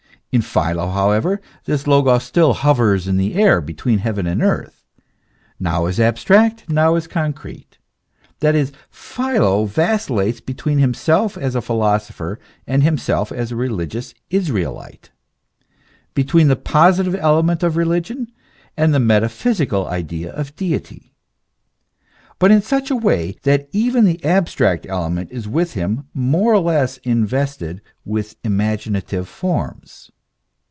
In Philo, however, this Logos still hovers in the air between heaven and earth, now as abstract, now as concrete ; that is, Philo vacillates between himself as a philosopher and himself as a religious Israelite, between the positive element of religion and the metaphysical idea of deity ; but in such a way that even the abstract element is with him more or less invested with imaginative forms.